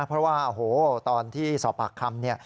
เพราะว่าโอ้โหตอนที่สอบปากคำเนี่ย